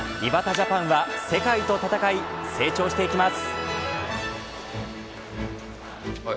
ジャパンは、世界と戦い成長していきます。